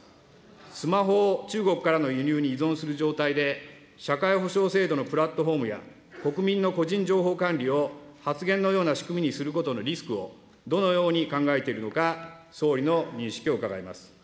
スマホを中国からの輸入に依存する状態で、社会保障制度のプラットフォームや国民の個人情報管理を発言のような仕組みにすることのリスクを、どのように考えているのか、総理の認識を伺います。